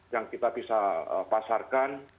yang kita bisa pasarkan